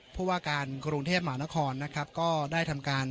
ผู้ว่าการกรุงเทพหมานครนะครับก็ได้ทำการ